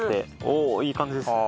おおいい感じですね。